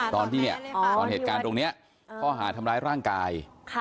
ตอนเหตุการณ์ตรงนี้เขาหาทำร้ายร่างกาย